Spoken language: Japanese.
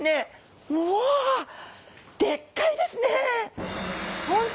うわでっかいですね！